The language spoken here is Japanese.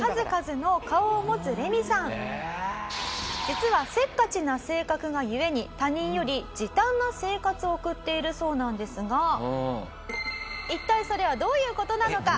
実はせっかちな性格が故に他人より時短な生活を送っているそうなんですが一体それはどういう事なのか？